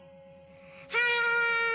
はい！